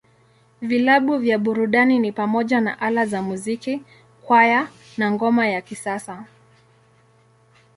Vilabu vya burudani ni pamoja na Ala za Muziki, Kwaya, na Ngoma ya Kisasa.